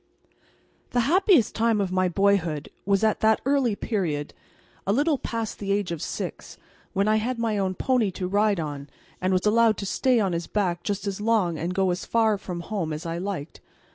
The happiest time of my boyhood was at that early period, a little past the age of six, when I had my own pony to ride on, and was allowed to stay on his back just as long and go as far from home as I liked.